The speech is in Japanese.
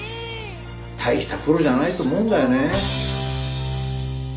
大したプロじゃないと思うんだよねぇ。